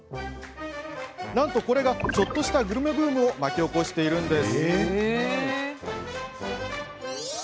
なんと、これがちょっとしたグルメブームを巻き起こしているんです。